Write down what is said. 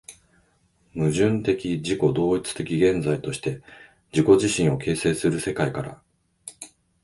矛盾的自己同一的現在として自己自身を形成する世界から、